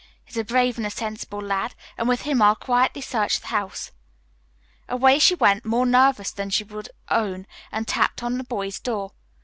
He's a brave and a sensible lad, and with him I'll quietly search the house." Away she went, more nervous than she would own, and tapped at the boy's door.